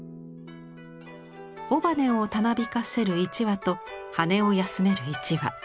尾羽をたなびかせる１羽と羽を休める１羽。